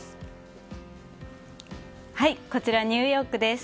こちらニューヨークです。